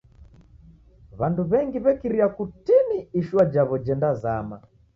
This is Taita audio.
W'andu w'engi w'ekiria kutini ishua jaw'o jendazama.